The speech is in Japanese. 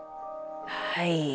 はい。